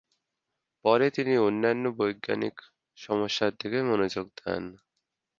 পরে, তিনি অন্যান্য বৈজ্ঞানিক সমস্যার দিকে মনোযোগ দেন।